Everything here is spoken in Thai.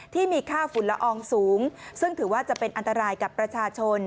ที่มีค่าฝุ่นละอองสูงซึ่งถือว่าจะเป็นอันตรายกับประชาชน